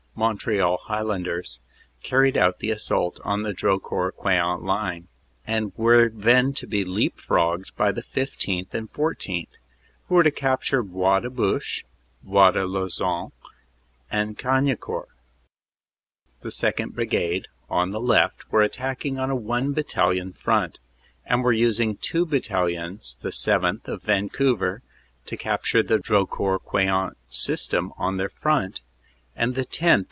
Montreal Highlanders, carried out the assault on the Drocourt Queant line, and were then to be leap frogged by the 15th. and 14th., who were to capture Bois de Bouche, Bois de Loison and Cagnicourt. The 2nd. Brigade, on the left, were attacking on a one battalion front, and were using two battalions the 7th., of Vancouver, to capture the Drocourt Queant system on their front, and the 10th.